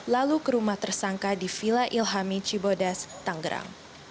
lalu ke rumah tersangka di villa ilhami cibodas tanggerang